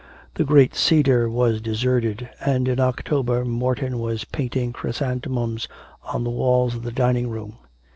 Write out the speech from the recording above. The great cedar was deserted, and in October Morton was painting chrysanthemums on the walls of the dining room.